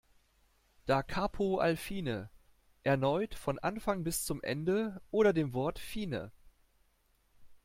Da Capo al fine: Erneut von Anfang bis zum Ende oder dem Wort "fine".